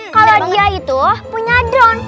kalau dia itu punya drone